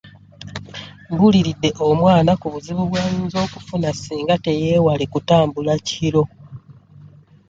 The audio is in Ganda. Mbuuliridde omwana ku buzibu bw'ayinza okufuna singa teyeewale kutambula kiro.